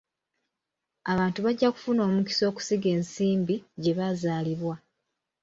Abantu bajja kufuna omukisa okusiga ensimbi gye bazaalibwa.